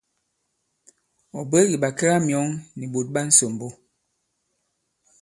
Ɔ̀ bwě kì ɓàkɛgamyɔ̌ŋ nì ɓòt ɓa ǹsòmbo.